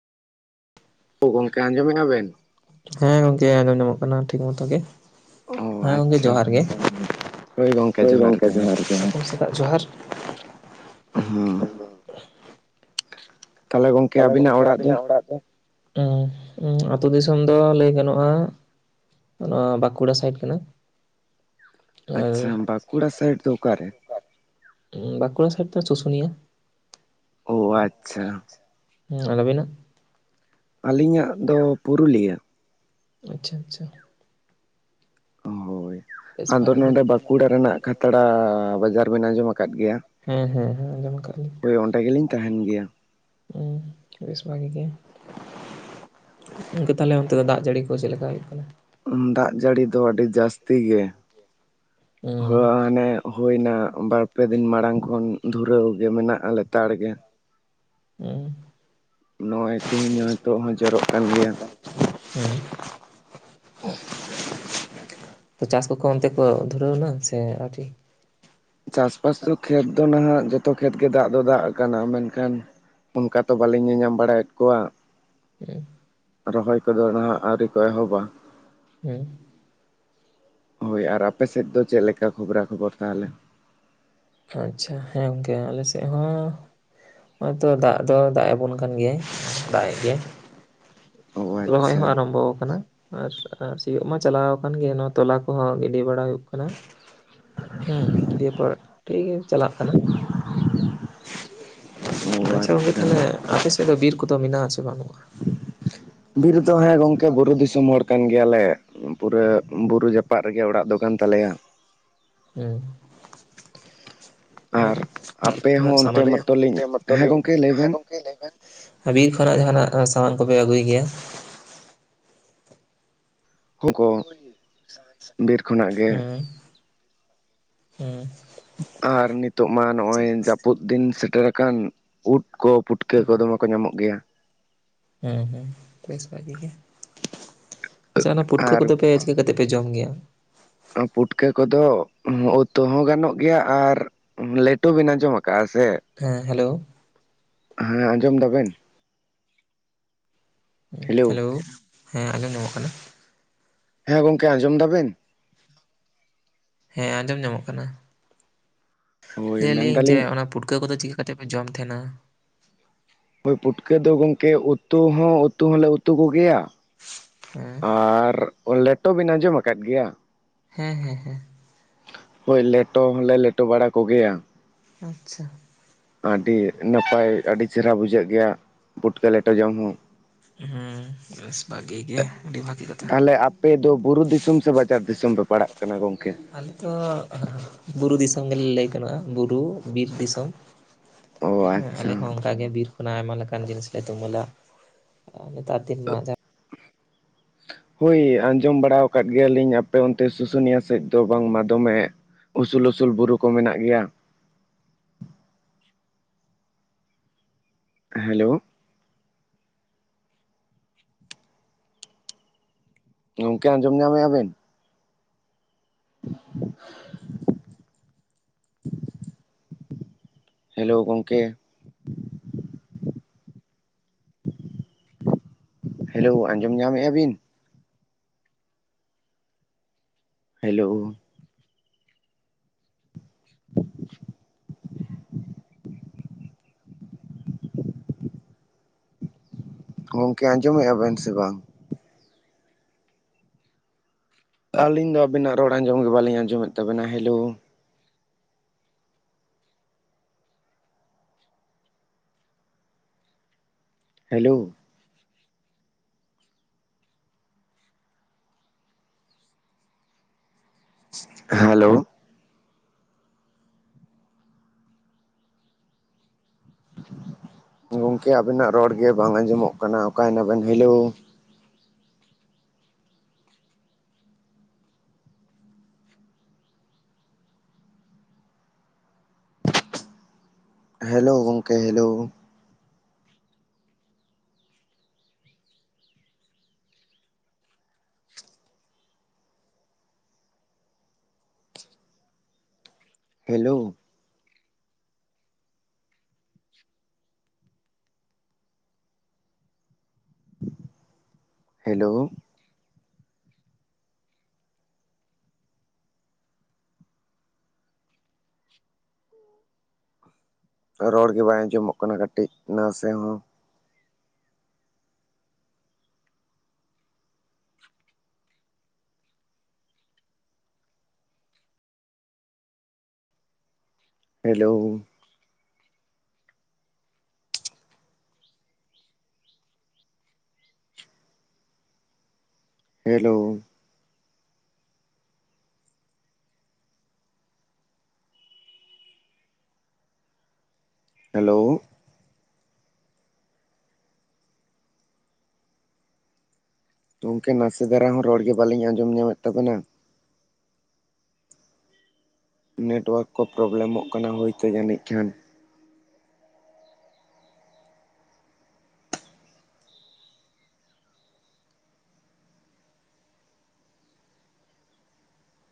ᱜᱚᱢᱠᱮ ᱟᱸᱡᱚᱢᱮᱫ ᱟᱵᱮᱱ ᱦᱮᱸ ᱜᱚᱢᱠᱮ ᱟᱸᱡᱚᱢ ᱧᱟᱢᱚᱜ ᱠᱟᱱᱟ ᱴᱷᱤᱠ ᱢᱚᱛᱚ ᱜᱮ ᱚ ᱦᱮᱸ ᱜᱚᱢᱠᱮ ᱟᱪᱪᱷᱟ ᱡᱚᱦᱟᱨ ᱜᱮ ᱦᱳᱭ ᱜᱚᱢᱠᱮ ᱡᱚᱦᱟᱨ ᱜᱮ ᱥᱮᱫᱟᱜ ᱡᱚᱦᱟᱨ [unintelligible] ᱦᱮᱸ ᱛᱟᱦᱚᱞᱮ ᱜᱚᱝᱠᱮ ᱜᱚᱝᱠᱮ ᱟᱵᱤᱱᱟᱜ ᱚᱲᱟᱜ ᱫᱚ ᱦᱮᱸ ᱟᱹᱛᱩ ᱫᱤᱥᱚᱢ ᱫᱚ ᱞᱟᱹᱭ ᱜᱟᱱᱚᱜᱼᱟ ᱱᱚᱣᱟ ᱵᱟᱸᱠᱩᱲᱟ ᱥᱟᱭᱤᱰ ᱠᱟᱱᱟ ᱟᱨ ᱟᱪᱪᱷᱟ ᱵᱟᱸᱠᱩᱲᱟ ᱥᱟᱭᱤᱰ ᱫᱚ ᱚᱠᱟᱨᱮ ᱵᱟᱸᱠᱩᱲᱟ ᱥᱟᱦᱮᱰ ᱛᱚ ᱪᱩᱥᱩᱱᱤᱭᱟ ᱟᱪᱪᱷᱟ ᱦᱮᱸ ᱟ ᱟᱹᱵᱤᱱᱟᱜ ᱟᱹᱞᱤᱧᱟᱜ ᱫᱚ ᱯᱩᱨᱩᱞᱤᱭᱟᱹ ᱟᱪᱪᱷᱟ ᱟᱪᱪᱷᱟ ᱦᱳᱭ [inaudible] ᱟᱫᱚ ᱵᱷᱟᱜᱤ ᱜᱮ ᱱᱚᱰᱮ ᱵᱟᱸᱠᱩᱲᱟ ᱨᱮᱱᱟᱜ ᱠᱷᱟᱛᱲᱟ ᱵᱟᱡᱟᱨ ᱵᱮᱤᱱ ᱟᱸᱡᱚᱢ ᱟᱠᱟᱫ ᱜᱮᱭᱟ ᱦᱮᱸ ᱦᱮᱸ ᱦᱮᱸ ᱟᱸᱡᱚᱢ ᱠᱟᱜ ᱟᱞᱤᱧ ᱦᱳᱭ ᱚᱸᱰᱮ ᱜᱮᱞᱤᱧ ᱛᱟᱦᱮᱱ ᱜᱮᱭᱟ ᱦᱩᱸ ᱵᱮᱥ ᱵᱷᱟᱹᱜᱤ ᱜᱮ ᱤᱱᱠᱟᱹ ᱛᱟᱦᱞᱮ ᱚᱱᱛᱮ ᱫᱚ ᱫᱟᱜ ᱡᱟᱹᱲᱤ ᱠᱚ ᱪᱮᱫ ᱞᱮᱠᱟ ᱦᱩᱭᱩᱜ ᱠᱟᱱᱟ? ᱫᱟᱜ ᱡᱟᱹᱲᱤ ᱫᱚ ᱟᱹᱰᱤ ᱡᱟᱹᱥᱛᱤ ᱜᱮ ᱦᱚ ᱦᱩᱸ ᱢᱟᱱᱮ ᱦᱩᱭᱱᱟ ᱵᱟᱨᱯᱮ ᱫᱤᱱ ᱢᱟᱲᱟᱝ ᱠᱷᱚᱱ ᱫᱷᱩᱨᱟᱹᱣ ᱜᱮ ᱢᱮᱱᱟᱜᱼᱟ ᱞᱮᱛᱟᱲ ᱜᱮ ᱦᱮᱸ ᱱᱚᱜᱼᱚᱭ ᱛᱮᱦᱮᱧ ᱦᱚᱸ ᱱᱤᱛᱚᱜ ᱦᱚᱸ ᱡᱚᱨᱚᱜ ᱠᱟᱱ ᱜᱮᱭᱟ ᱦᱮᱸ [unintelligible] ᱦᱮᱸ [inaudible] ᱪᱟᱥ ᱠᱚᱠᱚ ᱚᱱᱛᱮ ᱠᱚ ᱫᱷᱩᱨᱟᱹᱣᱱᱟ ᱥᱮ ᱟᱹᱣᱨᱤ ᱪᱟᱥᱵᱟᱥ ᱫᱚ ᱠᱷᱮᱛ ᱫᱚ ᱱᱟᱦᱟᱜ ᱡᱚᱛᱚ ᱡᱚᱛᱚ ᱠᱷᱮᱛ ᱜᱮ ᱫᱟᱜ ᱫᱚ ᱫᱟᱜ ᱟᱠᱟᱱᱟ ᱢᱮᱱᱠᱷᱟᱱ ᱚᱱᱠᱟ ᱛᱚ ᱵᱟᱞᱤᱧ ᱧᱮᱧᱟᱢ ᱵᱟᱲᱟᱭᱮᱫ ᱠᱚᱣᱟ ᱦᱮᱸ ᱨᱚᱦᱚᱭ ᱠᱚᱫᱚ ᱱᱟᱦᱟᱜ ᱟᱹᱣᱨᱤ ᱠᱚ ᱮᱦᱚᱵᱟ ᱦᱮᱸ ᱦᱳᱭ ᱟᱨ ᱟᱯᱮ ᱥᱮᱫ ᱫᱚ ᱪᱮᱫ ᱞᱮᱠᱟ ᱠᱷᱚᱵᱽᱨᱟ ᱠᱷᱚᱵᱚᱨ ᱛᱟᱦᱚᱞᱮ ᱟᱪᱪᱷᱟ ᱦᱮᱸ ᱜᱚᱝᱠᱮ ᱟᱞᱮᱥᱮᱫ ᱦᱚᱸ ᱦᱚᱭᱛᱚ ᱫᱟᱜ ᱫᱚ ᱫᱟᱜ ᱟᱵᱚᱱ ᱠᱟᱱ ᱜᱮᱭᱟᱭ ᱫᱟᱜ ᱮ ᱜᱮ ᱚ ᱨᱚᱦᱚᱭ ᱦᱚᱸ ᱟᱪᱪᱷᱟ ᱟᱨᱟᱢᱵᱷᱚ ᱟᱠᱟᱱᱟ ᱟᱨ ᱥᱤᱭᱳᱜ ᱢᱟ ᱪᱟᱞᱟᱣ ᱟᱠᱟᱱ ᱜᱮ ᱱᱚᱶᱟ ᱛᱚᱞᱟ ᱠᱚᱦᱚᱸ ᱜᱤᱰᱤ ᱵᱟᱲᱟ ᱦᱩᱭᱩᱜ ᱠᱟᱱᱟ ᱦᱮᱸ ᱫᱤᱭᱮᱯᱚᱨ ᱴᱷᱤᱠ ᱜᱮᱭᱟ ᱪᱟᱞᱟᱜ ᱠᱟᱱᱟ ᱟᱪᱪᱷᱟ ᱜᱚᱝᱠᱮ ᱛᱟᱦᱞᱮ ᱟᱯᱮ ᱥᱮᱫ ᱫᱚ ᱵᱤᱨ ᱠᱚᱫᱚ ᱢᱮᱱᱟᱜ ᱟᱥᱮ ᱵᱟᱹᱱᱩᱜᱼᱟ ᱵᱤᱨ ᱫᱚ ᱦᱮᱸ ᱜᱚᱝᱠᱮ ᱵᱩᱨᱩ ᱫᱤᱥᱚᱢ ᱦᱚᱲ ᱠᱟᱱ ᱜᱮᱭᱟᱞᱮ ᱯᱩᱨᱟᱹ ᱵᱩᱨᱩ ᱡᱟᱯᱟᱜᱫ ᱨᱮᱜᱮ ᱚᱲᱟᱜ ᱫᱚ ᱠᱟᱱᱟᱱ ᱛᱟᱞᱮᱭᱟ ᱦᱮᱸ ᱟᱨ ᱟᱯᱮ [unintelligible] ᱟᱨ ᱦᱚᱸ ᱚᱱᱛᱮ ᱥᱟᱢᱟᱱ ᱨᱮᱭᱟᱜ ᱚᱱᱛᱮ ᱢᱟᱛᱚᱞᱤᱧ ᱦᱮᱸ ᱢᱚᱛᱚᱞᱤᱧ ᱜᱚᱝᱠᱮ ᱞᱟᱹᱭ ᱡᱟᱦᱟᱸ ᱵᱮᱱ ᱠᱚ ᱵᱤᱨ ᱠᱷᱚᱱᱟᱜ ᱡᱟᱦᱟᱱᱟᱜ ᱥᱟᱢᱟᱱ ᱠᱚᱯᱮ ᱟᱹᱜᱩᱭ ᱜᱮᱭᱟ ᱦᱚᱸᱠᱚ ᱵᱤᱨ ᱠᱷᱚᱱᱟᱜ ᱜᱮ ᱦᱮᱸ ᱦᱮᱸ ᱟᱨ ᱱᱤᱛᱚᱜ ᱢᱟ ᱟᱪᱪᱷᱟ ᱱᱚᱜᱼᱚᱭ ᱡᱟᱹᱯᱩᱫ ᱫᱤᱱ ᱥᱮᱴᱮᱨᱟ ᱟᱠᱟᱱ ᱩᱫ ᱠᱚ ᱯᱩᱴᱠᱟᱹ ᱠᱚᱫᱚ ᱢᱟ ᱠᱚ ᱧᱟᱢᱚᱜ ᱜᱮᱭᱟ ᱦᱮᱸ ᱦᱮᱸ ᱵᱮᱥ ᱵᱷᱟᱜᱮ ᱜᱮ ᱟᱪᱪᱷᱟ ᱚᱱᱟ ᱯᱩᱴᱠᱟᱹ ᱟᱨ ᱠᱚᱫᱚ ᱯᱮ ᱪᱤᱠᱟᱹ ᱠᱟᱛᱮ ᱯᱮ ᱡᱚᱢ ᱜᱮᱭᱟ ᱯᱩᱴᱠᱟᱹ ᱠᱚᱫᱚ ᱩᱛᱩ ᱦᱚᱸ ᱜᱟᱱᱚᱜ ᱜᱮᱭᱟ ᱟᱨ ᱞᱮᱴᱚ ᱵᱤᱱ ᱟᱸᱡᱚᱢ ᱟᱠᱟᱼᱟ ᱥᱮ ᱦᱮᱸ ᱦᱮᱞᱳ ᱦᱮᱸ ᱟᱸᱡᱚᱢ ᱫᱟᱵᱮᱱ ᱦᱮᱞᱳ ᱦᱮᱸ ᱟᱸᱡᱚᱢ ᱧᱟᱢᱚᱜᱚᱜ ᱠᱟᱱᱟ ᱦᱮᱸ ᱜᱚᱝᱠᱮ ᱟᱸᱡᱚᱢ ᱫᱟᱵᱮᱱ ᱦᱮᱸ ᱟᱸᱡᱚᱢ ᱧᱟᱢᱚᱜ ᱠᱟᱱᱟ ᱦᱳᱭ ᱞᱟᱹᱭᱟᱞᱤᱧ ᱡᱮ ᱢᱮᱱᱫᱟᱞᱤᱧ ᱚᱱᱟ ᱯᱩᱴᱠᱟᱹ ᱠᱚᱫᱚ ᱪᱤᱠᱟᱹ ᱠᱟᱛᱮ ᱯᱮ ᱡᱚᱢ ᱛᱟᱸᱦᱮᱱᱟ ᱦᱳᱭ ᱯᱩᱴᱠᱟᱹ ᱫᱚ ᱜᱚᱝᱠᱮ ᱩᱛᱩ ᱦᱚᱸ ᱩᱛᱩ ᱦᱚᱸᱞᱮ ᱩᱛᱩ ᱠᱚᱜᱮᱭᱟ ᱦᱮᱸ ᱟᱨ ᱞᱮᱴᱚ ᱵᱤᱱ ᱟᱸᱡᱚᱢ ᱟᱠᱟᱫ ᱜᱮᱭᱟ ᱦᱮᱸ ᱦᱮᱸ ᱦᱮᱸ ᱦᱳᱭ ᱞᱮᱴᱚ ᱦᱚᱸᱞᱮ ᱞᱮᱴᱚ ᱵᱟᱲᱟ ᱠᱚᱜᱮᱭᱟ ᱟᱪᱪᱷᱟ ᱟᱹᱰᱤ ᱱᱟᱯᱟᱭ ᱟᱹᱰᱤ ᱪᱮᱦᱨᱟ ᱵᱩᱡᱷᱟᱹᱜ ᱜᱮᱭᱟ ᱯᱩᱴᱠᱟᱹ ᱞᱮᱴᱚ ᱡᱚᱢ ᱦᱚᱸ ᱦᱮ ᱵᱮᱥ ᱵᱷᱟᱜᱤ ᱜᱮ ᱟᱹᱰᱤ ᱵᱷᱟᱜᱤ ᱠᱟᱛᱷᱟ ᱛᱟᱦᱚᱞᱮ ᱟᱯᱮ ᱫᱚ ᱵᱩᱨᱩ ᱫᱤᱥᱚᱢ ᱥᱮ ᱵᱟᱡᱟᱨ ᱫᱤᱥᱚᱢ ᱯᱮ ᱯᱟᱲᱟᱜ ᱠᱟᱱᱟ ᱜᱚᱢᱠᱮ ᱟᱞᱮᱫᱚ ᱵᱩᱨᱩ ᱫᱤᱥᱚᱢ ᱜᱮᱞᱮ ᱞᱟᱹᱭ ᱠᱟᱱᱟ ᱵᱩᱨᱩ ᱵᱤᱨ ᱫᱤᱥᱚᱢ ᱚ ᱦᱮᱸ ᱟᱞᱮ ᱟᱪᱪᱷᱟ ᱦᱚᱸ ᱚᱱᱠᱟᱜᱮ ᱵᱤᱨ ᱟᱭᱢᱟ ᱞᱮᱠᱟᱱ ᱡᱤᱱᱤᱥ ᱞᱮ ᱛᱩᱢᱟᱹᱞᱟ ᱱᱮᱛᱟᱨ ᱫᱤᱱ ᱢᱟ ᱡᱟᱼᱼ ᱦᱳᱭ ᱟᱸᱡᱚᱢ ᱵᱟᱲᱟ ᱟᱠᱟᱫ ᱜᱮᱭᱟᱞᱤᱧ ᱟᱯᱮ ᱚᱱᱛᱮ ᱥᱩᱥᱩᱱᱤᱭᱟ ᱥᱮᱫ ᱫᱚ ᱵᱟᱝᱢᱟ ᱫᱚᱢᱮ ᱩᱥᱩᱞ ᱩᱥᱩᱞ ᱵᱩᱨᱩ ᱠᱚ ᱢᱮᱱᱟᱜ ᱜᱮᱭᱟ ᱦᱮᱞᱳ ᱜᱚᱢᱠᱮ ᱟᱸᱡᱚᱢ ᱧᱟᱢᱮᱼᱟ ᱵᱮᱱ [unintelligible] ᱦᱮᱞᱳ ᱜᱚᱢᱠᱮ ᱦᱮᱞᱳ ᱟᱸᱡᱚᱢ ᱧᱟᱢᱮᱼᱟ ᱵᱤᱱ ᱦᱮᱞᱳ [unintelligible] ᱜᱚᱢᱠᱮ ᱟᱸᱡᱚᱢᱮᱼᱟ ᱵᱮᱱ ᱥᱮ ᱵᱟᱝ ᱟᱹᱞᱤᱧ ᱫᱚ ᱟᱵᱤᱱᱟᱜ ᱨᱚᱲ ᱟᱸᱡᱚᱢ ᱜᱮ ᱵᱟᱹᱞᱤᱧ ᱟᱸᱡᱚᱢᱮᱫ ᱛᱟᱵᱤᱱᱟ ᱦᱮᱞᱳ ᱦᱮᱞᱳ ᱦᱮᱞᱳ ᱜᱚᱢᱠᱮ ᱟᱵᱤᱱᱟᱜ ᱨᱚᱲ ᱜᱮ ᱵᱟᱝ ᱟᱸᱡᱚᱢᱚᱜ ᱠᱟᱱᱟ ᱚᱠᱟᱭᱮᱱᱟ ᱵᱮᱱ ᱦᱤᱞᱳ ᱦᱮᱞᱳ ᱜᱚᱢᱠᱮ ᱦᱮᱞᱳ ᱦᱮᱞᱳ ᱦᱮᱞᱳ ᱨᱚᱲᱜᱮ ᱵᱟᱭ ᱟᱸᱡᱚᱢᱚᱜ ᱠᱟᱱᱟ ᱠᱟᱹᱴᱤᱡᱽ ᱱᱟᱥᱮ ᱦᱚᱸ ᱦᱮᱞᱳ ᱦᱮᱞᱳ ᱦᱮᱞᱳ ᱜᱚᱢᱠᱮ ᱱᱟᱥᱮ ᱫᱷᱟᱨᱟ ᱦᱚᱸ ᱨᱚᱲ ᱜᱮ ᱵᱟᱞᱤᱧ ᱟᱸᱡᱚᱢ ᱧᱟᱢᱮᱫ ᱛᱟᱵᱤᱱᱟ ᱱᱮᱴᱣᱟᱨᱠ ᱠᱚ ᱯᱨᱚᱵᱞᱮᱢᱚᱜ ᱠᱟᱱᱟ ᱦᱳᱭᱛᱳ ᱡᱟᱹᱱᱤᱡ ᱠᱷᱟᱱ